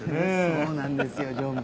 そうなんですよ常務